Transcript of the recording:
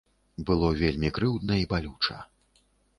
Было вельмі крыўдна і балюча.